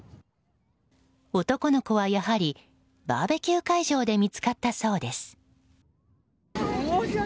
男の子は、やはりバーベキュー会場で見つかったそうです。